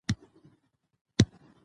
موږ باید د داسې ستورو قدر وکړو.